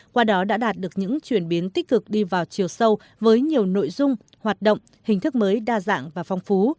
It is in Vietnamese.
qua đó đã đạt được những chuyển biến tích cực đi vào chiều sâu với nhiều nội dung hoạt động hình thức mới đa dạng và phong phú